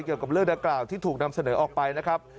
เกี่ยวกับเรื่องดังกล่าวที่ถูกนำเสนอออกไปนะครับ